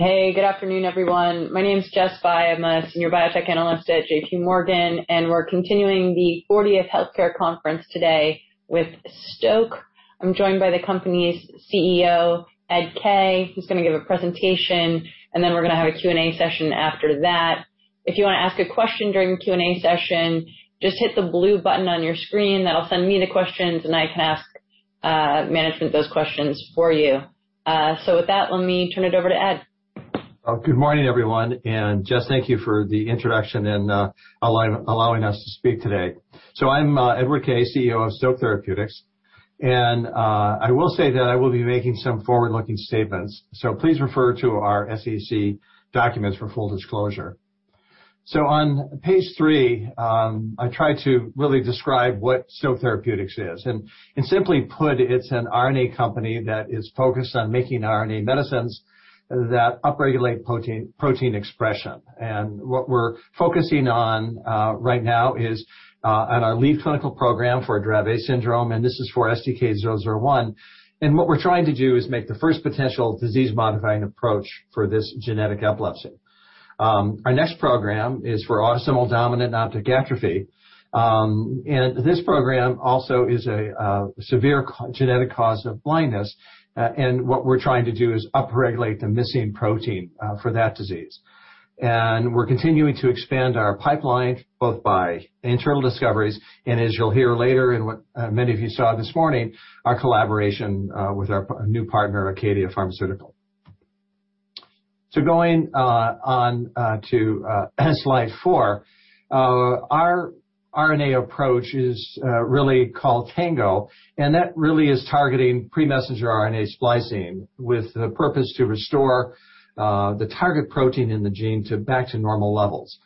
Hey, good afternoon, everyone. My name is Jess Fye. I'm a senior biotech analyst at JPMorgan, and we're continuing the 40th Annual Healthcare Conference today with Stoke. I'm joined by the company's CEO, Ed Kaye, who's gonna give a presentation, and then we're gonna have a Q&A session after that. If you wanna ask a question during the Q&A session, just hit the blue button on your screen. That'll send me the questions, and I can ask management those questions for you. With that, let me turn it over to Ed. Good morning, everyone. Jess, thank you for the introduction and allowing us to speak today. I'm Edward Kaye, CEO of Stoke Therapeutics. I will say that I will be making some forward-looking statements, so please refer to our SEC documents for full disclosure. On page three, I tried to really describe what Stoke Therapeutics is. Simply put, it's an RNA company that is focused on making RNA medicines that upregulate protein expression. What we're focusing on right now is on our lead clinical program for Dravet syndrome, and this is for STK-001. What we're trying to do is make the first potential disease-modifying approach for this genetic epilepsy. Our next program is for autosomal dominant optic atrophy. This program also is a severe genetic cause of blindness, and what we're trying to do is upregulate the missing protein for that disease. We're continuing to expand our pipeline, both by internal discoveries, and as you'll hear later in what many of you saw this morning, our collaboration with our new partner, Acadia Pharmaceuticals. Going on to slide four, our RNA approach is really called TANGO, and that really is targeting pre-messenger RNA splicing with the purpose to restore the target protein in the gene to back to normal levels.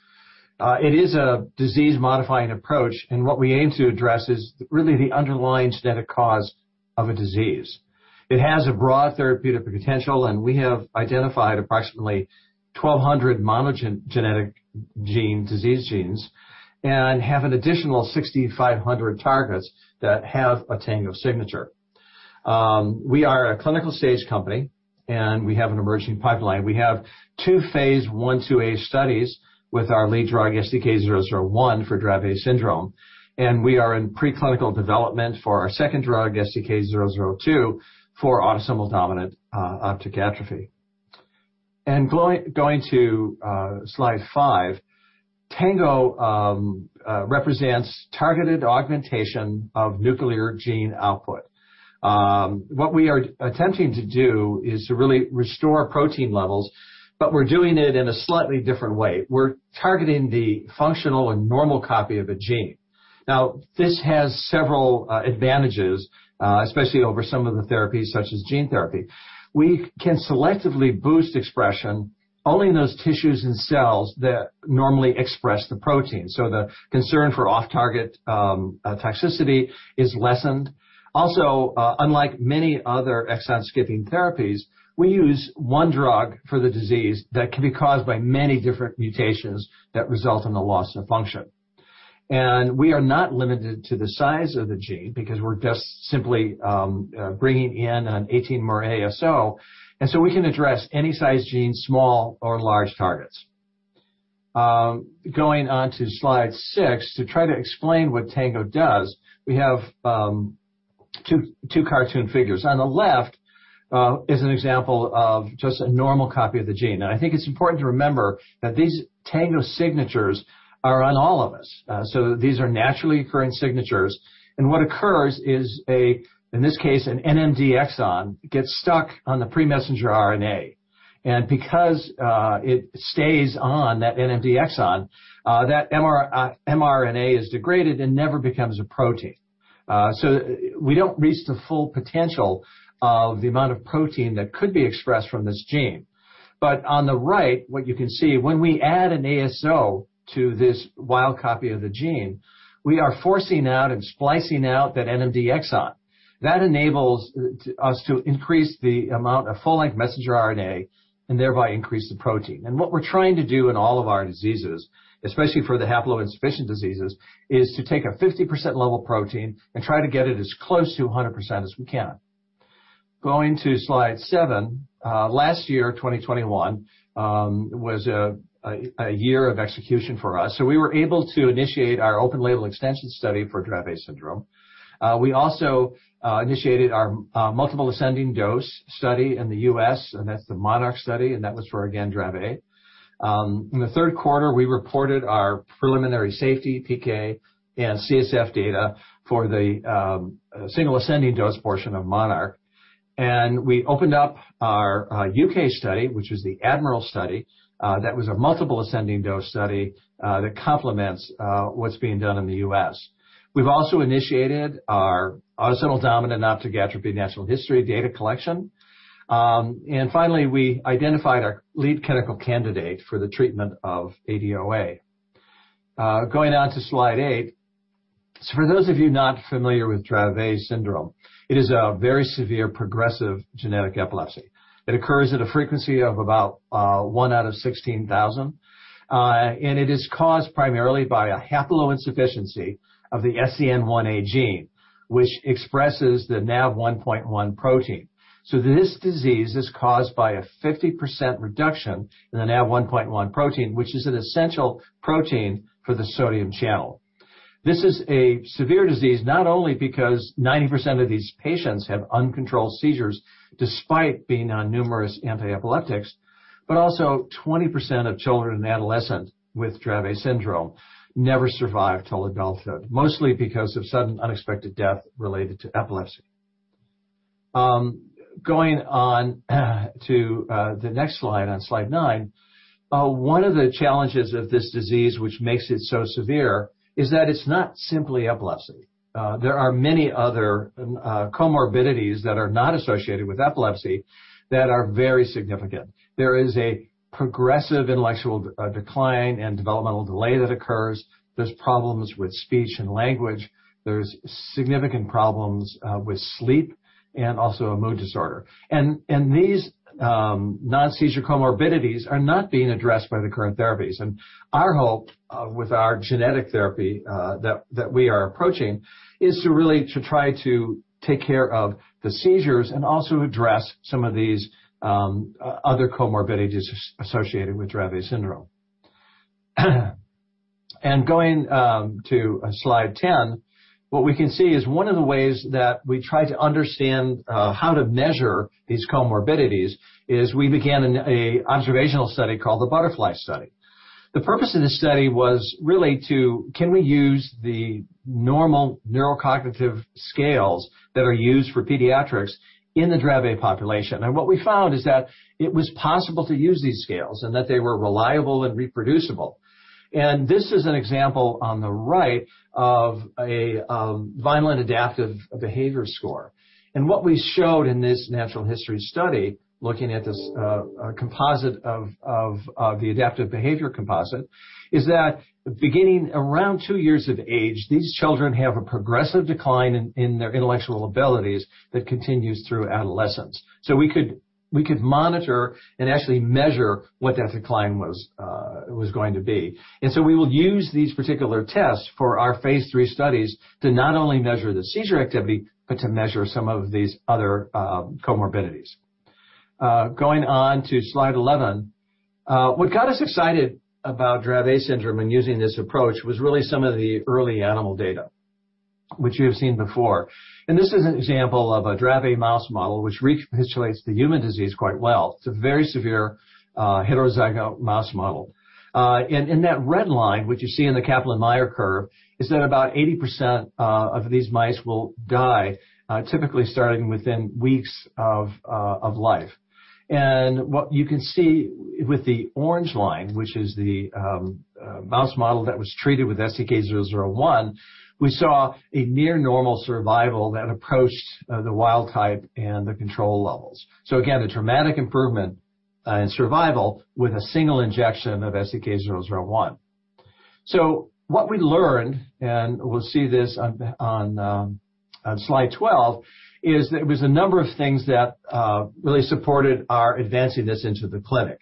It is a disease-modifying approach, and what we aim to address is really the underlying genetic cause of a disease. It has a broad therapeutic potential, and we have identified approximately 1,200 monogenic disease genes and have an additional 6,500 targets that have a TANGO signature. We are a clinical stage company, and we have an emerging pipeline. We have two phase I/II-A studies with our lead drug, STK-001, for Dravet syndrome, and we are in preclinical development for our second drug, STK-002, for autosomal dominant optic atrophy. Going to slide five, TANGO represents Targeted Augmentation of Nuclear Gene Output. What we are attempting to do is to really restore protein levels, but we're doing it in a slightly different way. We're targeting the functional and normal copy of a gene. Now, this has several advantages, especially over some of the therapies, such as gene therapy. We can selectively boost expression only in those tissues and cells that normally express the protein. The concern for off-target toxicity is lessened. Also, unlike many other exon-skipping therapies, we use one drug for the disease that can be caused by many different mutations that result in the loss of function. We are not limited to the size of the gene because we're just simply bringing in an 18-mer ASO, and we can address any size gene, small or large targets. Going on to slide six, to try to explain what TANGO does, we have two cartoon figures. On the left is an example of just a normal copy of the gene. I think it's important to remember that these TANGO signatures are on all of us, so these are naturally occurring signatures. What occurs is a, in this case, an NMD exon gets stuck on the pre-messenger RNA. Because it stays on that NMD exon, that mRNA is degraded and never becomes a protein. So we don't reach the full potential of the amount of protein that could be expressed from this gene. On the right, what you can see, when we add an ASO to this wild copy of the gene, we are forcing out and splicing out that NMD exon. That enables us to increase the amount of full-length messenger RNA and thereby increase the protein. What we're trying to do in all of our diseases, especially for the haploinsufficient diseases, is to take a 50% level protein and try to get it as close to 100% as we can. Going to slide seven. Last year, 2021, was a year of execution for us. We were able to initiate our open label extension study for Dravet syndrome. We also initiated our multiple ascending dose study in the U.S., and that's the MONARCH study, and that was for, again, Dravet. In the third quarter, we reported our preliminary safety PK and CSF data for the single ascending dose portion of MONARCH. We opened up our U.K. study, which was the ADMIRAL study, that was a multiple ascending dose study, that complements what's being done in the U.S. We've also initiated our autosomal dominant optic atrophy natural history data collection. Finally, we identified our lead clinical candidate for the treatment of ADOA. Going on to slide eight. For those of you not familiar with Dravet syndrome, it is a very severe progressive genetic epilepsy. It occurs at a frequency of about one out of 16,000. It is caused primarily by a haploinsufficiency of the SCN1A gene, which expresses the NaV1.1 protein. This disease is caused by a 50% reduction in the NaV1.1 protein, which is an essential protein for the sodium channel. This is a severe disease, not only because 90% of these patients have uncontrolled seizures despite being on numerous antiepileptics, but also 20% of children and adolescents with Dravet syndrome never survive till adulthood, mostly because of sudden unexpected death related to epilepsy. Going on to the next slide, on slide nine. One of the challenges of this disease, which makes it so severe, is that it's not simply epilepsy. There are many other comorbidities that are not associated with epilepsy that are very significant. There is a progressive intellectual decline and developmental delay that occurs. There's problems with speech and language. There's significant problems with sleep and also a mood disorder. These non-seizure comorbidities are not being addressed by the current therapies. Our hope with our genetic therapy that we are approaching is to really try to take care of the seizures and also address some of these other comorbidities associated with Dravet syndrome. Going to slide 10, what we can see is one of the ways that we try to understand how to measure these comorbidities is we began an observational study called the BUTTERFLY study. The purpose of this study was really, can we use the normal neurocognitive scales that are used for pediatrics in the Dravet population? What we found is that it was possible to use these scales and that they were reliable and reproducible. This is an example on the right of a Vineland Adaptive Behavior Scales. What we showed in this natural history study, looking at this composite of the adaptive behavior composite, is that beginning around two years of age, these children have a progressive decline in their intellectual abilities that continues through adolescence. We could monitor and actually measure what that decline was going to be. We will use these particular tests for our phase III studies to not only measure the seizure activity, but to measure some of these other comorbidities. Going on to slide 11. What got us excited about Dravet syndrome and using this approach was really some of the early animal data, which you have seen before. This is an example of a Dravet mouse model, which recapitulates the human disease quite well. It's a very severe heterozygous mouse model. That red line, which you see in the Kaplan-Meier curve, is that about 80% of these mice will die, typically starting within weeks of life. What you can see with the orange line, which is the mouse model that was treated with STK-001, we saw a near normal survival that approached the wild type and the control levels. Again, a dramatic improvement in survival with a single injection of STK-001. What we learned, and we'll see this on slide 12, is there was a number of things that really supported our advancing this into the clinic.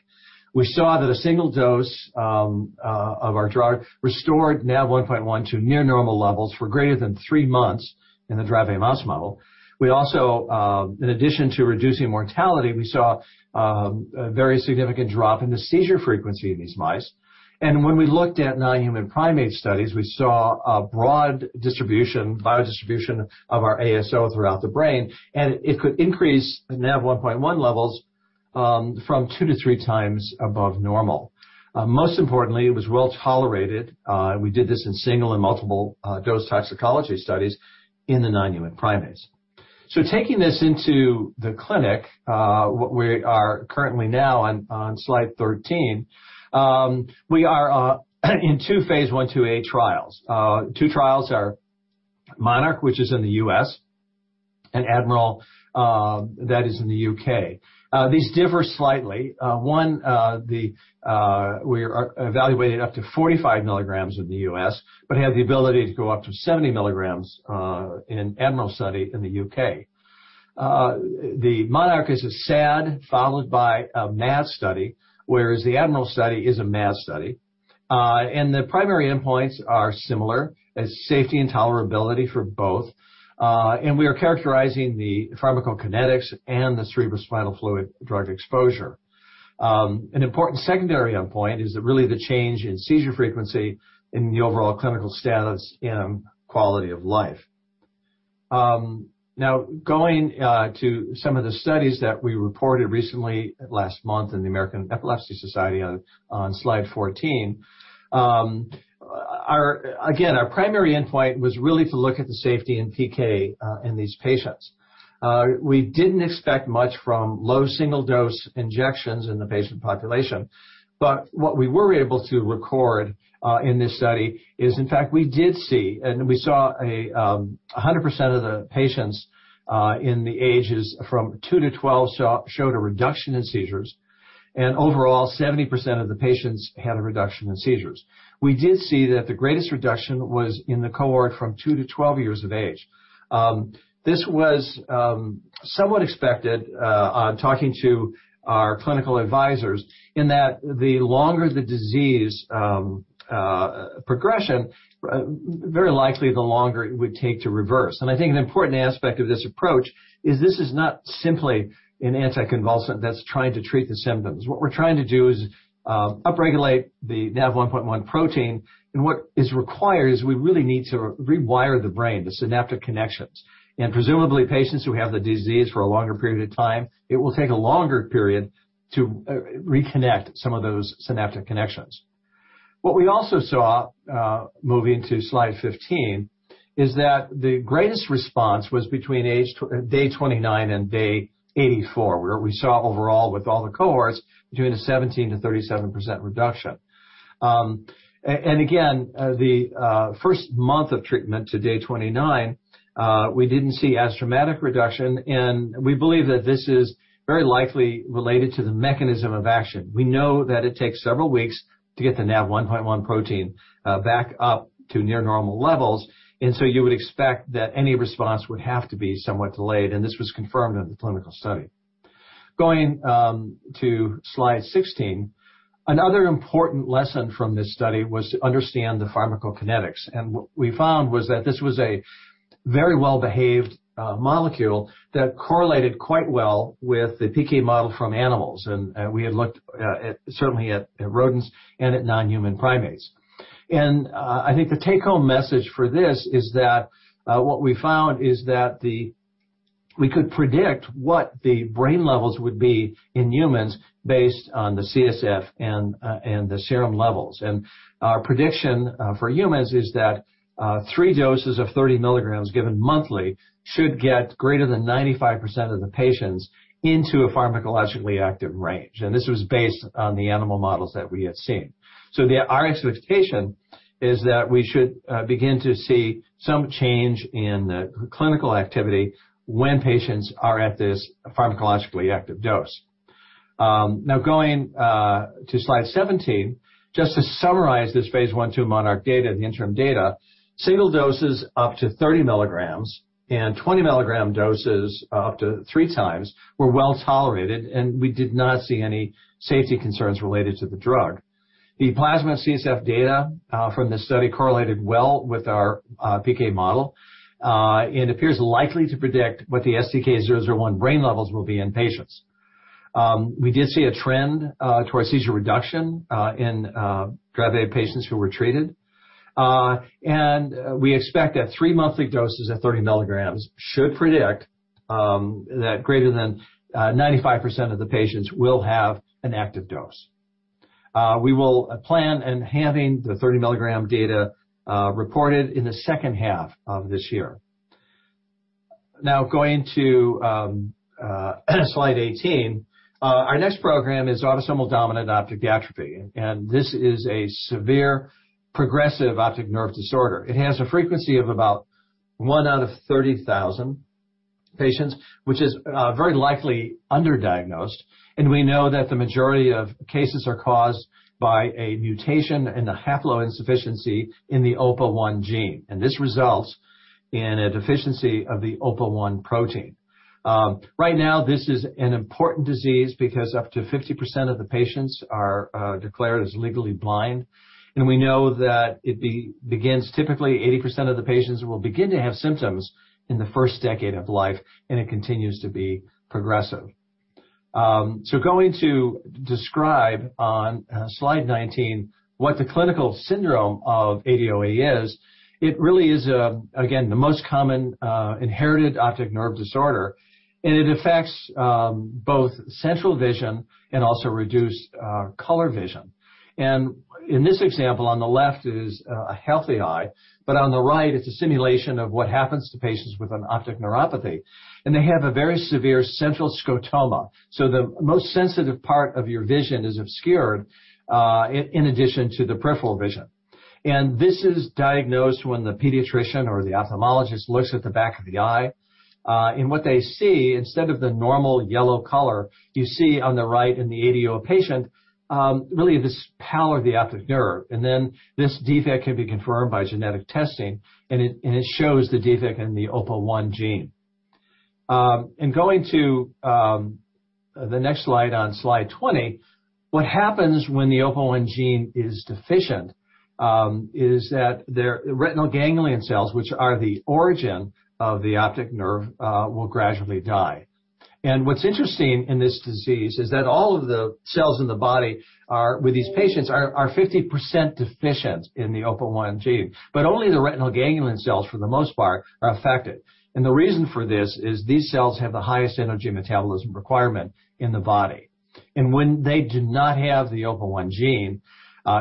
We saw that a single dose of our drug restored NaV1.1 to near normal levels for greater than 3 three onths in the Dravet mouse model. We also, in addition to reducing mortality, we saw a very significant drop in the seizure frequency in these mice. When we looked at non-human primate studies, we saw a broad distribution, biodistribution of our ASO throughout the brain, and it could increase NaV1.1 levels from two to three times above normal. Most importantly, it was well tolerated. We did this in single and multiple dose toxicology studies in the non-human primates. Taking this into the clinic, what we are currently on slide 13, we are in two phase I/II-A trials. Two trials are MONARCH, which is in the U.S., and ADMIRAL, that is in the U.K. These differ slightly. One, we are evaluating up to 45 mg in the U.S., but have the ability to go up to 70 mg in ADMIRAL study in the U.K. The MONARCH is a SAD followed by a MAD study, whereas the ADMIRAL study is a MAD study. The primary endpoints are similar, as safety and tolerability for both. We are characterizing the pharmacokinetics and the cerebrospinal fluid drug exposure. An important secondary endpoint is really the change in seizure frequency in the overall clinical status and quality of life. Now going to some of the studies that we reported recently last month in the American Epilepsy Society on slide 14. Again, our primary endpoint was really to look at the safety and PK in these patients. We didn't expect much from low single dose injections in the patient population. What we were able to record in this study is in fact, we did see, and we saw a 100% of the patients in the ages from two to 12 showed a reduction in seizures. Overall, 70% of the patients had a reduction in seizures. We did see that the greatest reduction was in the cohort from two to 12 years of age. This was somewhat expected on talking to our clinical advisors in that the longer the disease progression, very likely the longer it would take to reverse. I think an important aspect of this approach is this is not simply an anticonvulsant that's trying to treat the symptoms. What we're trying to do is upregulate the NaV1.1 protein, and what is required is we really need to rewire the brain, the synaptic connections. Presumably, patients who have the disease for a longer period of time, it will take a longer period to reconnect some of those synaptic connections. What we also saw, moving to slide 15, is that the greatest response was between day 29 and day 84, where we saw overall with all the cohorts between a 17%-37% reduction. And again, the first month of treatment to day 29, we didn't see as dramatic reduction, and we believe that this is very likely related to the mechanism of action. We know that it takes several weeks to get the NaV1.1 protein back up to near normal levels, and so you would expect that any response would have to be somewhat delayed, and this was confirmed in the clinical study. Going to slide 16. Another important lesson from this study was to understand the pharmacokinetics. What we found was that this was a very well-behaved molecule that correlated quite well with the PK model from animals. We had looked at certainly at rodents and at non-human primates. I think the take home message for this is that what we found is that we could predict what the brain levels would be in humans based on the CSF and the serum levels. Our prediction for humans is that three doses of 30 mg given monthly should get greater than 95% of the patients into a pharmacologically active range. This was based on the animal models that we had seen. Our expectation is that we should begin to see some change in the clinical activity when patients are at this pharmacologically active dose. Now going to slide 17, just to summarize this phase I/II MONARCH data, the interim data. Single doses up to 30 mg and 20 mg doses up to three times were well tolerated, and we did not see any safety concerns related to the drug. The plasma CSF data from this study correlated well with our PK model, and appears likely to predict what the STK-001 brain levels will be in patients. We did see a trend towards seizure reduction in Dravet patients who were treated. We expect that three monthly doses of 30 mg should predict that greater than 95% of the patients will have an active dose. We will plan on having the 30 mg data reported in the second half of this year. Now going to slide 18. Our next program is autosomal dominant optic atrophy, and this is a severe progressive optic nerve disorder. It has a frequency of about 1 out of 30,000 patients, which is very likely underdiagnosed, and we know that the majority of cases are caused by a mutation and a haploinsufficiency in the OPA1 gene, and this results in a deficiency of the OPA1 protein. Right now this is an important disease because up to 50% of the patients are declared as legally blind, and we know that it begins typically 80% of the patients will begin to have symptoms in the first decade of life, and it continues to be progressive. Going to describe on slide 19 what the clinical syndrome of ADOA is. It really is again the most common inherited optic nerve disorder. It affects both central vision and also reduced color vision. In this example on the left is a healthy eye, but on the right it's a simulation of what happens to patients with an optic neuropathy. They have a very severe central scotoma. The most sensitive part of your vision is obscured in addition to the peripheral vision. This is diagnosed when the pediatrician or the ophthalmologist looks at the back of the eye. What they see, instead of the normal yellow color, you see on the right in the ADOA patient, really this pallor of the optic nerve. Then this defect can be confirmed by genetic testing, and it shows the defect in the OPA1 gene. Going to the next slide, on slide 20. What happens when the OPA1 gene is deficient is that their retinal ganglion cells, which are the origin of the optic nerve, will gradually die. What's interesting in this disease is that all of the cells in the body, with these patients, are 50% deficient in the OPA1 gene, but only the retinal ganglion cells, for the most part, are affected. The reason for this is these cells have the highest energy metabolism requirement in the body. When they do not have the OPA1 gene,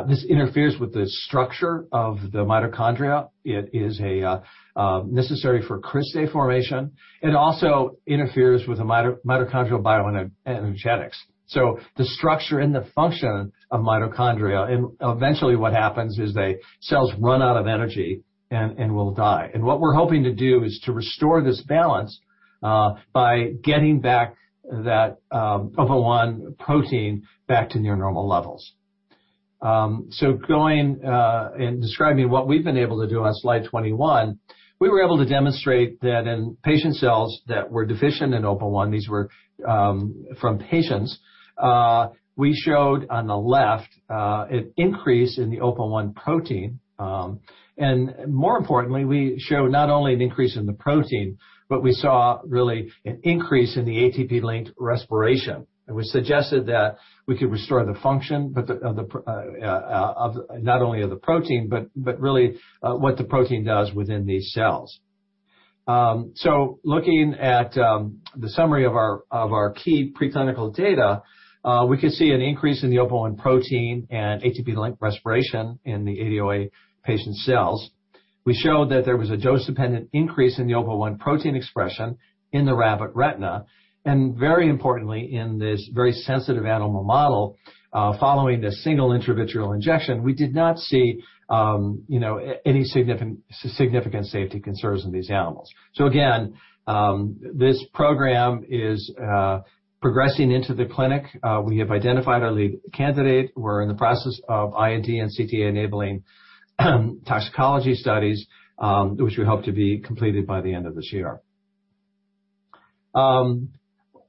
this interferes with the structure of the mitochondria. It is necessary for cristae formation. It also interferes with the mitochondrial bioenergetics, the structure and the function of mitochondria. Eventually what happens is the cells run out of energy and will die. What we're hoping to do is to restore this balance by getting back that OPA1 protein back to near normal levels. Going and describing what we've been able to do on slide 21, we were able to demonstrate that in patient cells that were deficient in OPA1, these were from patients, we showed on the left an increase in the OPA1 protein. More importantly, we show not only an increase in the protein, but we saw really an increase in the ATP-linked respiration, and which suggested that we could restore the function of not only the protein, but really what the protein does within these cells. Looking at the summary of our key preclinical data, we could see an increase in the OPA1 protein and ATP-linked respiration in the ADOA patient cells. We showed that there was a dose-dependent increase in the OPA1 protein expression in the rabbit retina, and very importantly, in this very sensitive animal model, following the single intravitreal injection, we did not see, you know, any significant safety concerns in these animals. Again, this program is progressing into the clinic. We have identified our lead candidate. We're in the process of IND and CTA-enabling toxicology studies, which we hope to be completed by the end of this year.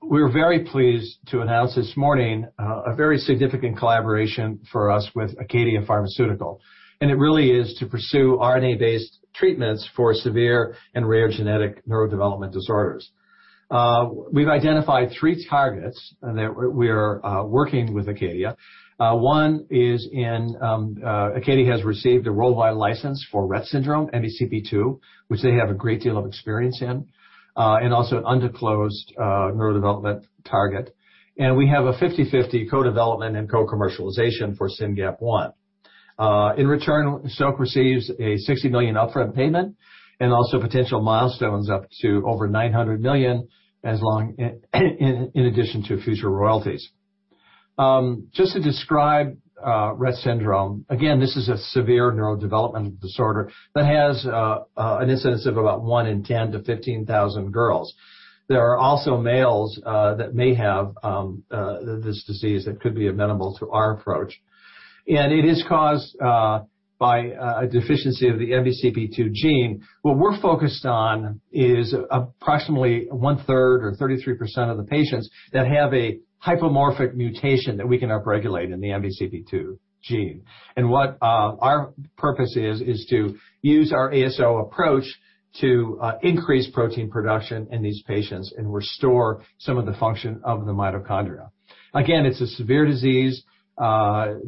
We're very pleased to announce this morning a very significant collaboration for us with Acadia Pharmaceuticals, and it really is to pursue RNA-based treatments for severe and rare genetic neurodevelopmental disorders. We've identified three targets, and we're working with Acadia. Acadia has received a worldwide license for Rett syndrome, MECP2, which they have a great deal of experience in, and also an undisclosed neurodevelopmental target. We have a 50/50 co-development and co-commercialization for SYNGAP1. In return, Stoke receives a $60 million upfront payment and also potential milestones up to over $900 million in addition to future royalties. Just to describe Rett syndrome. Again, this is a severe neurodevelopmental disorder that has an incidence of about one in 10-15,000 girls. There are also males that may have this disease that could be amenable to our approach. It is caused by a deficiency of the MECP2 gene. What we're focused on is approximately one-third or 33% of the patients that have a hypomorphic mutation that we can upregulate in the MECP2 gene. What our purpose is is to use our ASO approach to increase protein production in these patients and restore some of the function of the mitochondria. Again, it's a severe disease,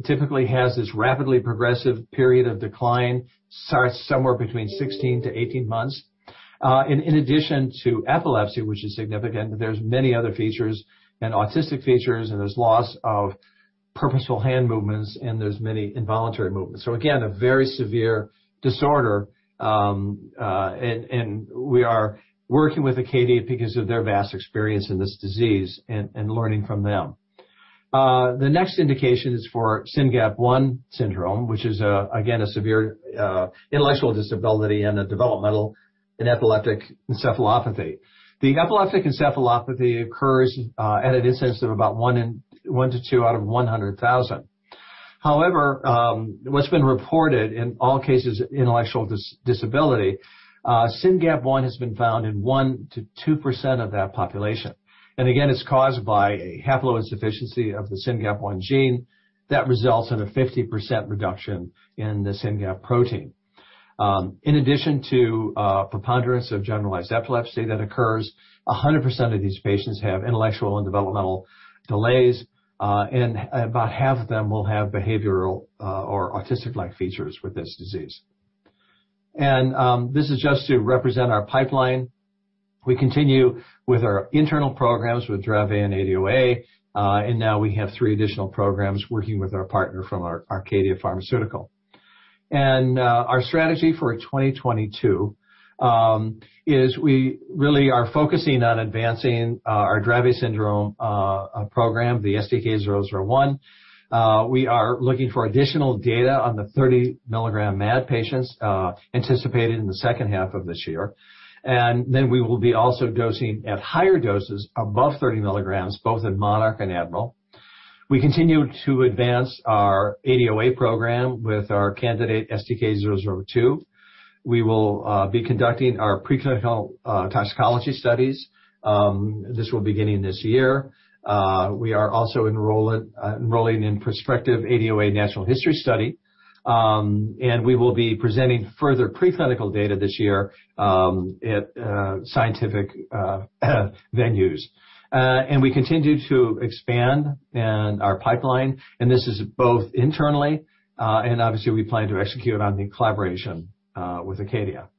typically has this rapidly progressive period of decline, starts somewhere between 16-18 months. In addition to epilepsy, which is significant, there are many other features and autistic features, and there is loss of purposeful hand movements, and there are many involuntary movements. Again, a very severe disorder. We are working with Acadia because of their vast experience in this disease and learning from them. The next indication is for SYNGAP1 syndrome, which is again a severe intellectual disability and a developmental and epileptic encephalopathy. The epileptic encephalopathy occurs at an incidence of about 1 in 100,000-200,000. However, what's been reported in all cases intellectual disability, SYNGAP1 has been found in 1%-2% of that population. Again, it is caused by a haploinsufficiency of the SYNGAP1 gene that results in a 50% reduction in the SynGAP protein. In addition to preponderance of generalized epilepsy that occurs, 100% of these patients have intellectual and developmental delays, and about half of them will have behavioral or autistic-like features with this disease. This is just to represent our pipeline. We continue with our internal programs with Dravet and ADOA, and now we have three additional programs working with our partner from our Acadia Pharmaceuticals. Our strategy for 2022 is we really are focusing on advancing our Dravet syndrome program, the STK-001. We are looking for additional data on the 30 mg MAD patients, anticipated in the second half of this year. We will be also dosing at higher doses above 30 mg, both in MONARCH and ADMIRAL. We continue to advance our ADOA program with our candidate STK-002. We will be conducting our preclinical toxicology studies. This will begin this year. We are also enrolling in prospective ADOA natural history study. We will be presenting further preclinical data this year at scientific venues. We continue to expand in our pipeline, and this is both internally and obviously we plan to execute on the collaboration with Acadia.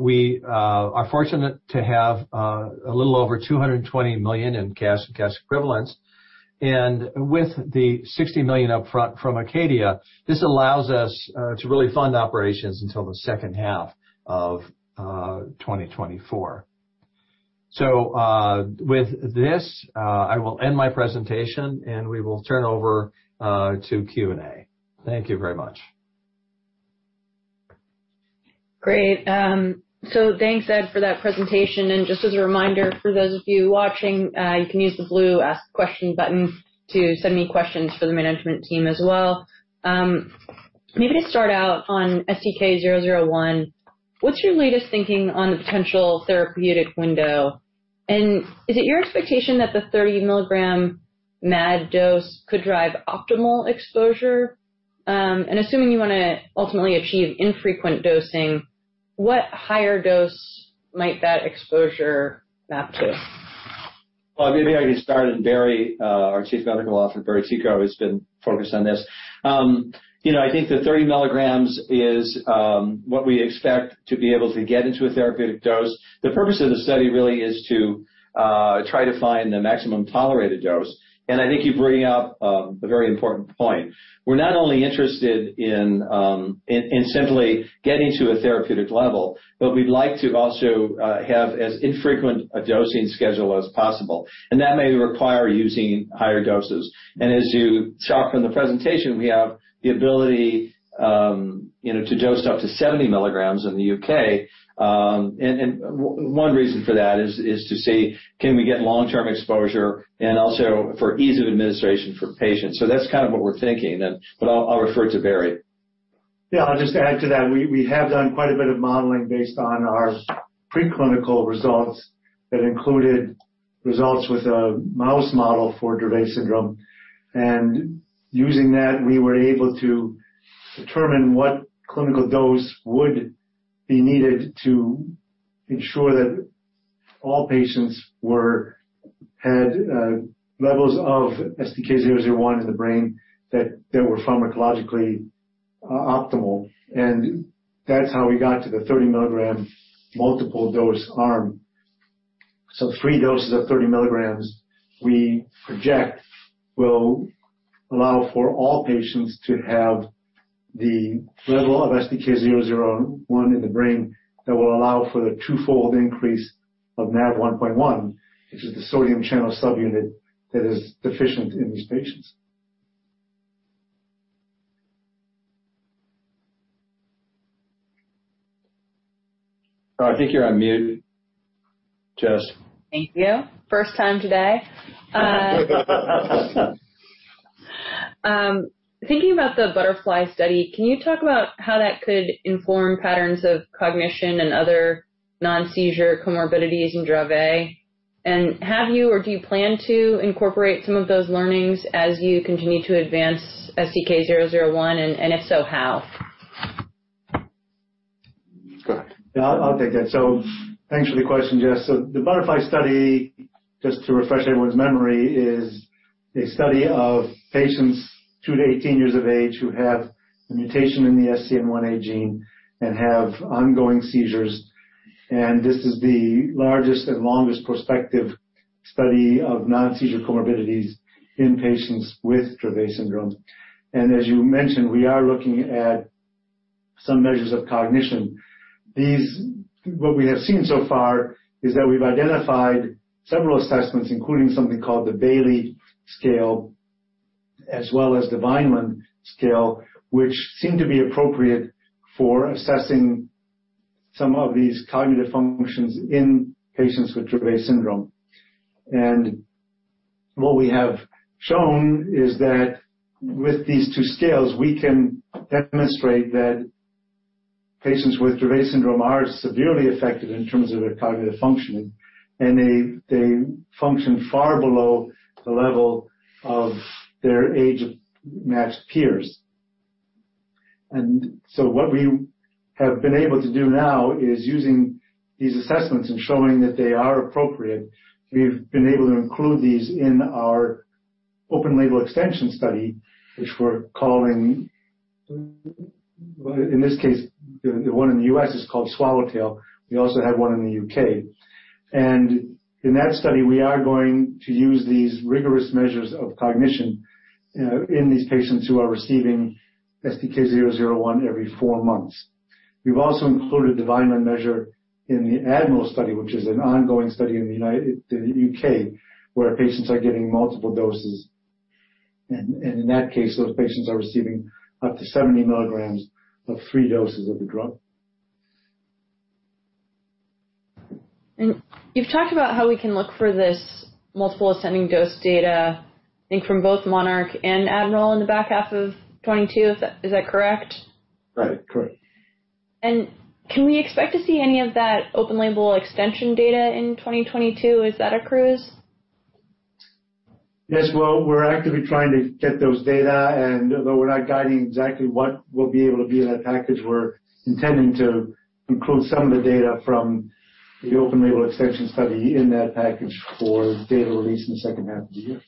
We are fortunate to have a little over $220 million in cash and cash equivalents. With the $60 million upfront from Acadia, this allows us to really fund operations until the second half of 2024. With this, I will end my presentation and we will turn over to Q&A. Thank you very much. Great. Thanks Ed for that presentation. Just as a reminder for those of you watching, you can use the blue ask question button to send me questions for the management team as well. Maybe to start out on STK-001, what's your latest thinking on the potential therapeutic window? Is it your expectation that the 30 mg NaV dose could drive optimal exposure? Assuming you wanna ultimately achieve infrequent dosing, what higher dose might that exposure map to? Well, maybe I can start, and Barry, our Chief Medical Officer, Barry Ticho, has been focused on this. You know, I think the 30 mg is what we expect to be able to get into a therapeutic dose. The purpose of the study really is to try to find the maximum tolerated dose. I think you bring up a very important point. We're not only interested in simply getting to a therapeutic level, but we'd like to also have as infrequent a dosing schedule as possible. That may require using higher doses. As you saw from the presentation, we have the ability, you know, to dose up to 70 mg in the U.K. One reason for that is to see can we get long-term exposure and also for ease of administration for patients. That's kind of what we're thinking. I'll refer to Barry. I'll just add to that. We have done quite a bit of modeling based on our preclinical results that included results with a mouse model for Dravet syndrome. Using that, we were able to determine what clinical dose would be needed to ensure that all patients had levels of STK-001 in the brain that were pharmacologically optimal. That's how we got to the 30 mg multiple dose arm. Three doses of 30 mg, we project will allow for all patients to have the level of STK-001 in the brain that will allow for the twofold increase of NaV1.1, which is the sodium channel subunit that is deficient in these patients. Oh, I think you're on mute, Jess. Thank you. First time today. Thinking about the BUTTERFLY study, can you talk about how that could inform patterns of cognition and other non-seizure comorbidities in Dravet? Have you or do you plan to incorporate some of those learnings as you continue to advance STK-001? If so, how? Yeah, I'll take that. Thanks for the question, Jess. The BUTTERFLY study, just to refresh everyone's memory, is a study of patients two to 18 years of age who have a mutation in the SCN1A gene and have ongoing seizures. This is the largest and longest prospective study of non-seizure comorbidities in patients with Dravet syndrome. As you mentioned, we are looking at some measures of cognition. What we have seen so far is that we've identified several assessments, including something called the Bayley Scales, as well as the Vineland scale, which seem to be appropriate for assessing some of these cognitive functions in patients with Dravet syndrome. What we have shown is that with these two scales, we can demonstrate that patients with Dravet syndrome are severely affected in terms of their cognitive functioning, and they function far below the level of their age-matched peers. What we have been able to do now is using these assessments and showing that they are appropriate, we've been able to include these in our open-label extension study, which we're calling, in this case, the one in the U.S. is called SWALLOWTAIL. We also have one in the U.K. In that study, we are going to use these rigorous measures of cognition in these patients who are receiving STK-001 every four months. We've also included the Vineland measure in the ADMIRAL study, which is an ongoing study in the U.K., where patients are getting multiple doses. In that case, those patients are receiving up to 70 mg of three doses of the drug. You've talked about how we can look for this multiple ascending dose data, I think from both MONARCH and ADMIRAL in the back half of 2022. Is that correct? Right. Correct. Can we expect to see any of that open-label extension data in 2022? Is that approved? Yes. Well, we're actively trying to get those data. Though we're not guiding exactly what will be able to be in that package, we're intending to include some of the data from the open-label extension study in that package for data release in the second half of the year.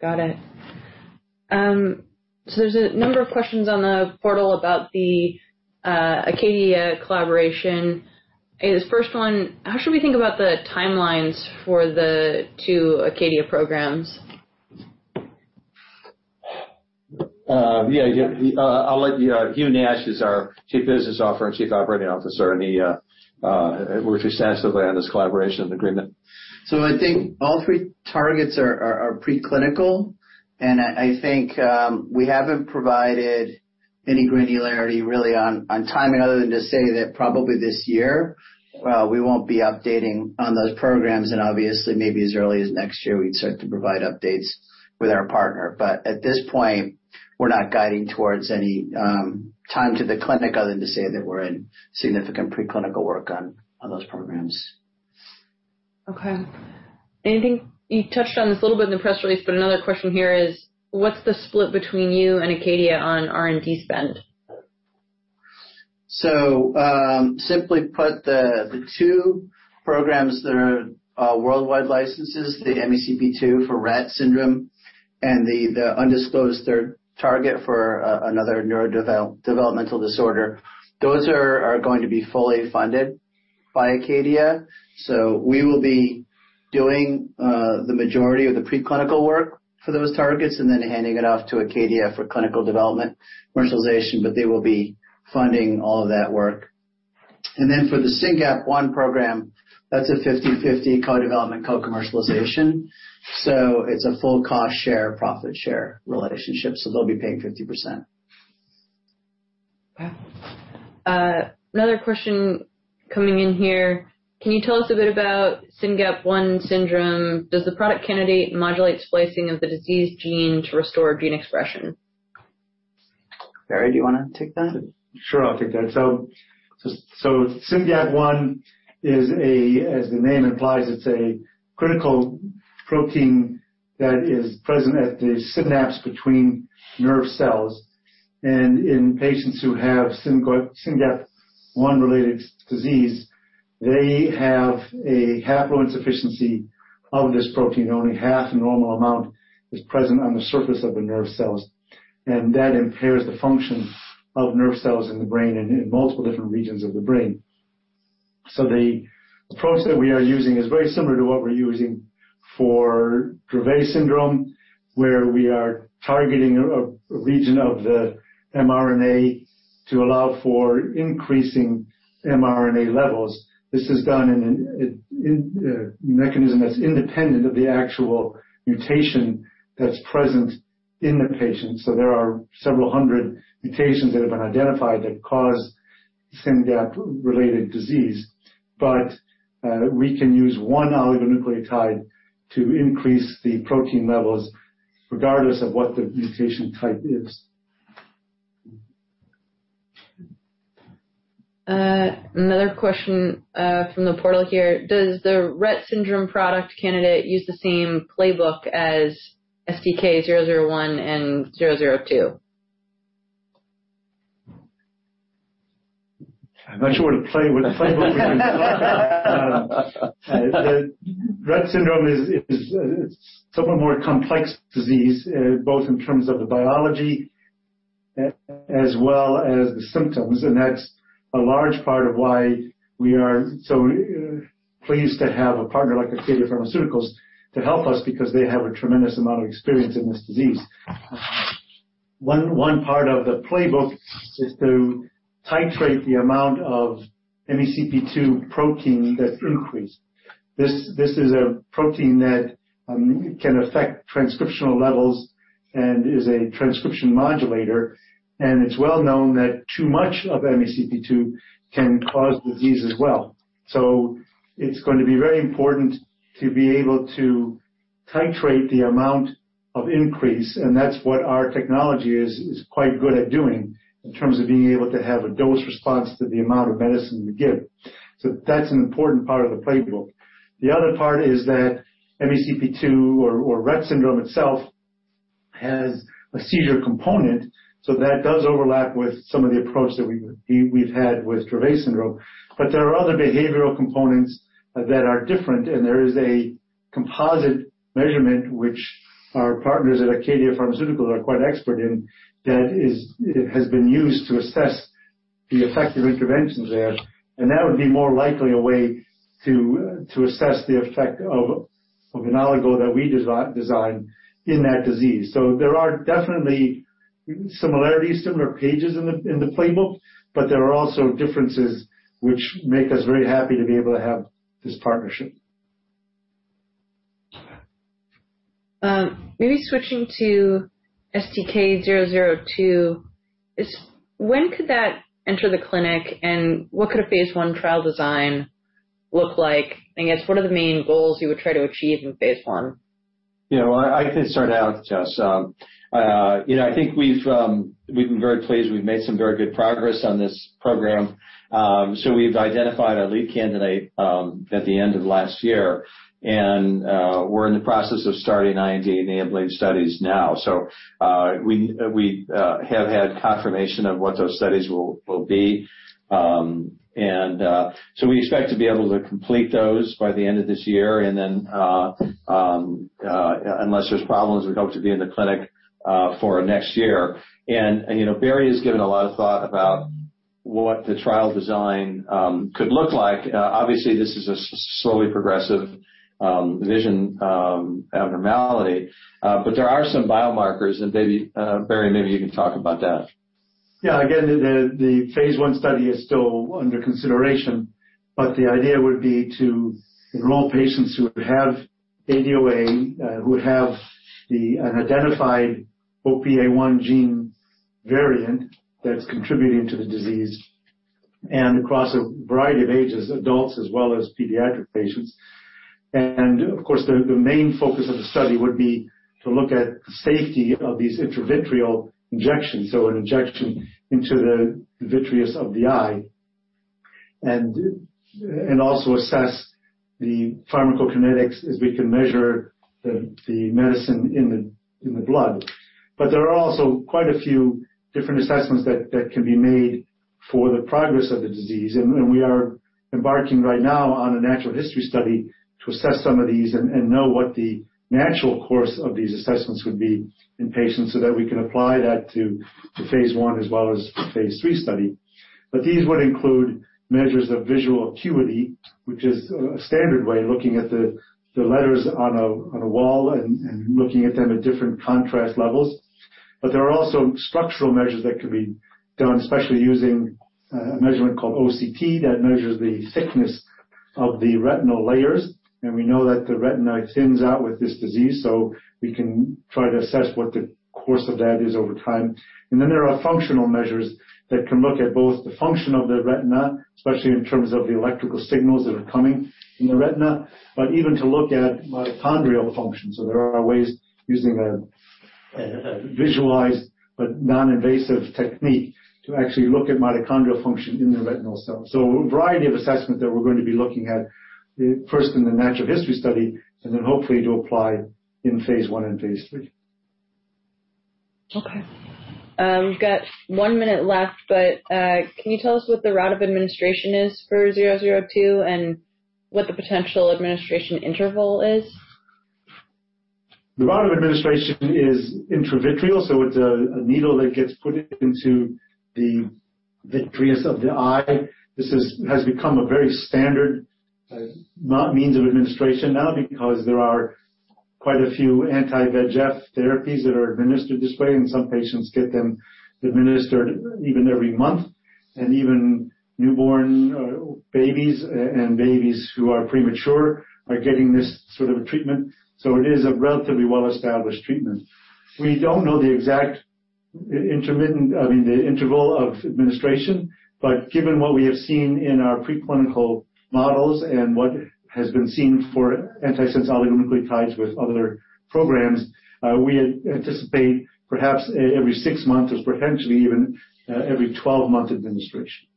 Got it. There's a number of questions on the portal about the Acadia collaboration. This first one, how should we think about the timelines for the two Acadia programs? Huw Nash is our Chief Business Officer and Chief Operating Officer, and he worked extensively on this collaboration agreement. I think all three targets are preclinical, and I think we haven't provided any granularity really on timing other than to say that probably this year we won't be updating on those programs, and obviously maybe as early as next year we'd start to provide updates with our partner. At this point, we're not guiding towards any time to the clinic other than to say that we're in significant preclinical work on those programs. Okay. You touched on this a little bit in the press release, but another question here is what's the split between you and Acadia on R&D spend? Simply put, the two programs that are worldwide licenses, the MECP2 for Rett syndrome and the undisclosed third target for another neurodevelopmental disorder, those are going to be fully funded by Acadia. We will be doing the majority of the preclinical work for those targets and then handing it off to Acadia for clinical development, commercialization, but they will be funding all of that work. For the SYNGAP1 program, that's a 50/50 co-development, co-commercialization. It's a full cost share, profit share relationship, so they'll be paying 50%. Okay. Another question coming in here. Can you tell us a bit about SYNGAP1 syndrome? Does the product candidate modulate splicing of the diseased gene to restore gene expression? Barry, do you wanna take that? Sure, I'll take that. SYNGAP1 is a, as the name implies, it's a critical protein that is present at the synapse between nerve cells. In patients who have SYNGAP1-related disease, they have a haploinsufficiency of this protein. Only half the normal amount is present on the surface of the nerve cells, and that impairs the function of nerve cells in the brain and in multiple different regions of the brain. The approach that we are using is very similar to what we're using for Dravet syndrome, where we are targeting a region of the mRNA to allow for increasing mRNA levels. This is done in a mechanism that's independent of the actual mutation that's present in the patient. There are several hundred mutations that have been identified that cause SYNGAP1-related disease, but we can use one oligonucleotide to increase the protein levels regardless of what the mutation type is. Another question from the portal here. Does the Rett syndrome product candidate use the same playbook as STK-001 and STK-002? I'm not sure what a playbook means. The Rett syndrome is somewhat more complex disease, both in terms of the biology as well as the symptoms, and that's a large part of why we are so pleased to have a partner like Acadia Pharmaceuticals to help us because they have a tremendous amount of experience in this disease. One part of the playbook is to titrate the amount of MECP2 protein that's increased. This is a protein that can affect transcriptional levels and is a splicing modulator, and it's well known that too much of MECP2 can cause disease as well. It's going to be very important to be able to titrate the amount of increase, and that's what our technology is quite good at doing in terms of being able to have a dose response to the amount of medicine we give. That's an important part of the playbook. The other part is that MECP2 or Rett syndrome itself has a seizure component. That does overlap with some of the approach that we've had with Dravet syndrome. But there are other behavioral components that are different, and there is a composite measurement which our partners at Acadia Pharmaceuticals are quite expert in that is, it has been used to assess the effect of interventions there. That would be more likely a way to assess the effect of an oligo that we designed in that disease. There are definitely similarities, similar pages in the playbook, but there are also differences which make us very happy to be able to have this partnership. Maybe switching to STK-002. When could that enter the clinic, and what could a phase I trial design look like? I guess what are the main goals you would try to achieve in phase I? You know, I can start out, Jess. You know, I think we've been very pleased. We've made some very good progress on this program. We've identified our lead candidate at the end of last year. We're in the process of starting IND-enabling studies now. We have had confirmation of what those studies will be. We expect to be able to complete those by the end of this year. Unless there's problems, we hope to be in the clinic for next year. You know, Barry has given a lot of thought about What the trial design could look like. Obviously, this is a slowly progressive vision abnormality. But there are some biomarkers and maybe, Barry, maybe you can talk about that. Yeah. Again, the phase I study is still under consideration, but the idea would be to enroll patients who have ADOA, who have an identified OPA1 gene variant that's contributing to the disease and across a variety of ages, adults as well as pediatric patients. Of course, the main focus of the study would be to look at safety of these intravitreal injections, so an injection into the vitreous of the eye, and also assess the pharmacokinetics as we can measure the medicine in the blood. There are also quite a few different assessments that can be made for the progress of the disease. We are embarking right now on a natural history study to assess some of these and know what the natural course of these assessments would be in patients so that we can apply that to phase I as well as to phase III study. These would include measures of visual acuity, which is a standard way of looking at the letters on a wall and looking at them at different contrast levels. There are also structural measures that can be done, especially using a measurement called OCT, that measures the thickness of the retinal layers, and we know that the retina thins out with this disease, so we can try to assess what the course of that is over time. There are functional measures that can look at both the function of the retina, especially in terms of the electrical signals that are coming in the retina, but even to look at mitochondrial function. There are ways using a visualized but non-invasive technique to actually look at mitochondrial function in the retinal cell. A variety of assessments that we're going to be looking at, first in the natural history study and then hopefully to apply in phase I and phase III. Okay. We've got one minute left, but can you tell us what the route of administration is for 002 and what the potential administration interval is? The route of administration is intravitreal, so it's a needle that gets put into the vitreous of the eye. This has become a very standard now means of administration now because there are quite a few anti-VEGF therapies that are administered this way, and some patients get them administered even every month. Even newborn babies and babies who are premature are getting this sort of a treatment, so it is a relatively well-established treatment. We don't know the exact interval of administration, but given what we have seen in our preclinical models and what has been seen for antisense oligonucleotides with other programs, we anticipate perhaps every six months or potentially even every 12-month administration.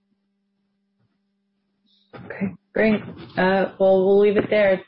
Okay, great. Well, we'll leave it there.